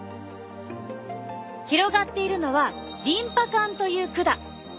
広がっているのはリンパ管という管。